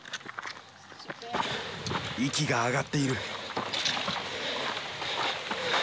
息が上がっている。